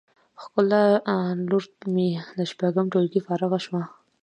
ښکلا لور می له شپږم ټولګی فارغه شوه